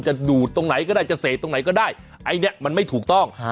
ดูดตรงไหนก็ได้จะเสพตรงไหนก็ได้อันนี้มันไม่ถูกต้อง